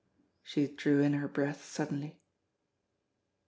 She drew in her breath suddenly.